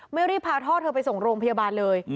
รีบพาท่อเธอไปส่งโรงพยาบาลเลย